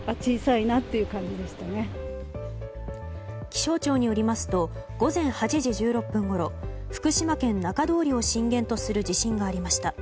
気象庁によりますと午前８時１６分ごろ福島県中通りを震源とする地震がありました。